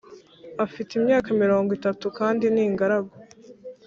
afite imyaka mirongo itatu kandi ni ingaragu